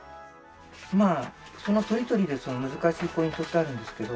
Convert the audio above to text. まあその鳥鳥でその難しいポイントってあるんですけど。